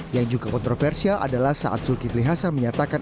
yang juga kontroversial adalah saat zulkifli hasan menyatakan